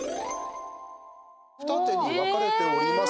二手に分かれております。